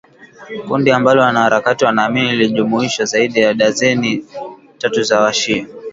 kundi ambalo wanaharakati wanaamini lilijumuisha zaidi ya darzeni tatu za washia